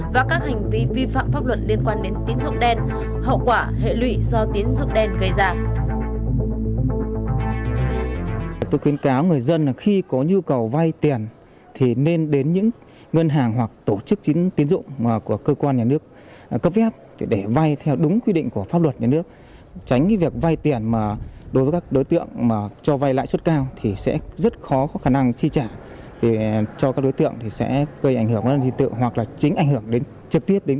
và các hành vi vi phạm pháp luật liên quan đến tín dụng đen hậu quả hệ lụy do tín dụng đen gây ra